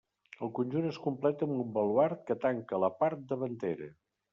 El conjunt es completa amb un baluard que tanca la part davantera.